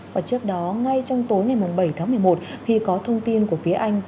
và trước đó ngay trong tối ngày bảy tháng một mươi một khi có thông tin của phía anh